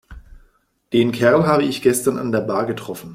Den Kerl habe ich gestern an der Bar getroffen.